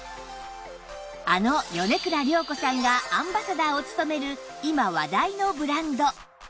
あの米倉涼子さんがアンバサダーを務める今話題のブランド